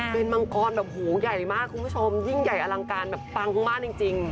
เป็นมังกรแบบโหใหญ่มากคุณผู้ชมยิ่งใหญ่อลังการแบบปังมากจริง